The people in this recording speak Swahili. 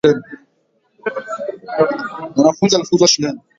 Mwanafunzi alifukuzwa shuleni.